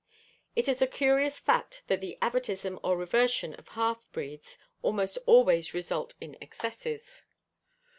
It is a curious fact that the avatism or reversion of half breeds almost always result in excesses.